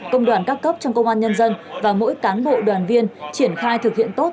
công đoàn các cấp trong công an nhân dân và mỗi cán bộ đoàn viên triển khai thực hiện tốt